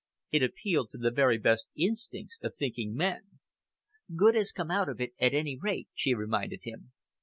It appealed to the very best instincts of thinking men." "Good has come out of it, at any rate," she reminded him.